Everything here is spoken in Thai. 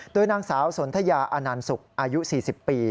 โดยนางสาวสนทยาอานันสุกอายุ๔๐ปี